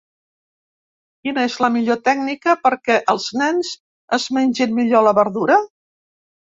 Quina és la millor tècnica perquè els nens es mengin millor la verdura?